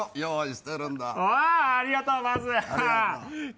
ありがとうバズ。